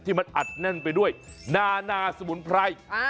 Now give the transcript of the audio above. มันอัดแน่นไปด้วยนานาสมุนไพร